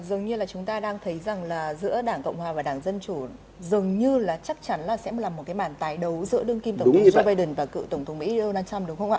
dường như là chúng ta đang thấy rằng là giữa đảng cộng hòa và đảng dân chủ dường như là chắc chắn là sẽ là một cái bàn tái đấu giữa đương kim tổng thống joe biden và cựu tổng thống mỹ donald trump đúng không ạ